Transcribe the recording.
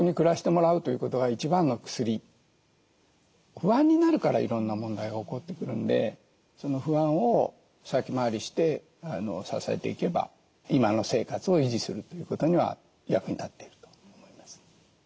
不安になるからいろんな問題が起こってくるんでその不安を先回りして支えていけば今の生活を維持するということには役に立っていると思います。